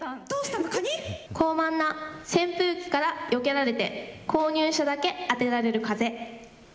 こうまんな扇風機からよけられて購入者だけ当てられる風。